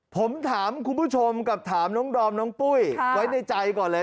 ผมถามคุณผู้ชมกับถามน้องดอมน้องปุ้ยไว้ในใจก่อนเลย